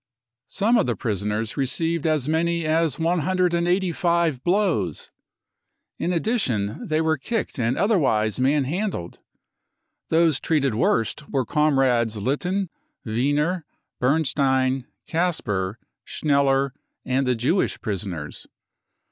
Some of the prisoners received as many as 185 blows. In addition they were kicked and otherwise manhandled. Those treated worst were comrades Litten, Wiener, Bernstein, Kasper, Schneller and the Jewish prisoners.